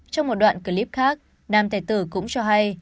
trong một đoạn clip khác nam tài tử cũng cho hay